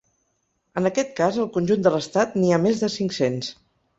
En aquest cas al conjunt de l’estat n’hi ha més de cinc-cents.